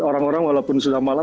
orang orang walaupun sudah malam